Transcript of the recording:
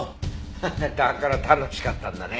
ハハだから楽しかったんだね。